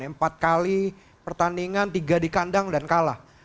empat kali pertandingan tiga di kandang dan kalah